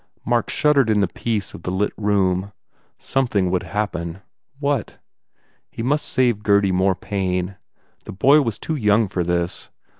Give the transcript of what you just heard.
Mark shud dered in the peace of the lit room. Something worse would happen. What? He must save Gurdy more pain. The boy was too young for this.